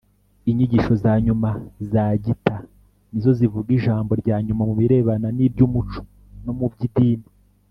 inyigisho za nyuma za gītā ni zo zivuga ijambo rya nyuma mu birebana n’iby’umuco no mu by’idini